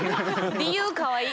理由かわいい！